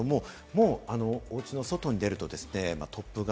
もうおうちの外に出ると突風が